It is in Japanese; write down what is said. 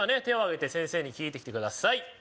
手をあげて先生に聞いてきてください